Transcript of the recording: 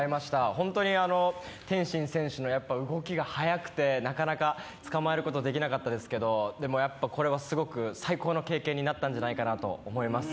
本当に天心選手の動きが速くて、なかなかつかまえることはできなかったですけど、これはすごく最高の経験になったんじゃないかなと思います。